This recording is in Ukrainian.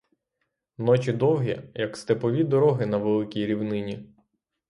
Ночі довгі, як степові дороги на великій рівнині.